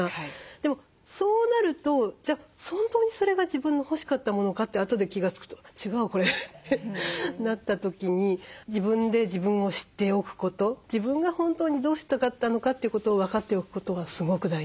でもそうなるとじゃあ本当にそれが自分の欲しかったものかってあとで気が付くと違うこれってなった時に自分で自分を知っておくこと自分が本当にどうしたかったのかということを分かっておくことがすごく大事。